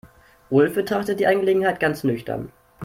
Ulf betrachtet die Angelegenheit ganz nüchtern.